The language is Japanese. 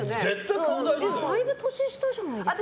だいぶ年下じゃないですか。